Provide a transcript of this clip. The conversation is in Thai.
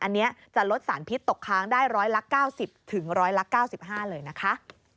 อันนี้จะลดสารพิษตกค้างได้๑๙๐๑๙๕บาทเลยนะคะ